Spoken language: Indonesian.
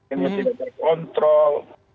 emosi tidak dikontrol